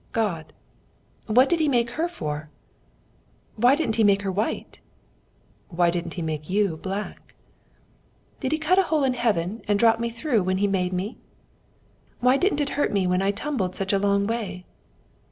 "'God.' "'What did He make her for?' "'Why didn't He make her white?' "'Why didn't He make you black?' "'Did He cut a hole in heaven and drop me through when He made me?' "'Why didn't it hurt me when I tumbled such a long way?'